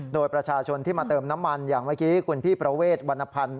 โดยประชาชนที่มาเติมน้ำมันอย่างเมื่อกี้คุณพี่ประเวทวรรณพันธ์